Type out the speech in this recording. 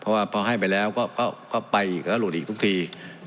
เพราะว่าพอให้ไปแล้วก็ไปอีกก็หลุดอีกทุกที